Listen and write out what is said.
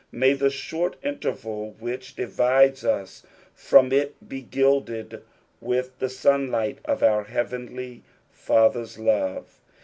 )Uy the short interval which divided us from it be gilded with the Stinlight of our heavenly Father's love.